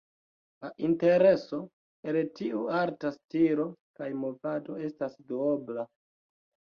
La intereso el tiu arta stilo kaj movado estas duobla.